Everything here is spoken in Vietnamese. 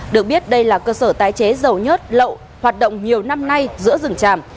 được biết đây là cơ sở tái chế dầu nhất lậu hoạt động nhiều năm nay giữa rừng tràm